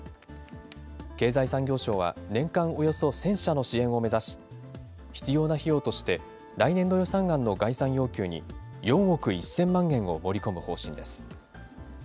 経済産業省は年間およそ１０００社の支援を目指し、必要な費用として、来年度予算案の概算要求に、４億１０００万円を盛り込む方針です。